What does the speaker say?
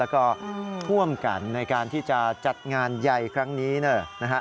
ก็ร่วมกันในการที่จะจัดงานใหญ่ครั้งนี้นะฮะ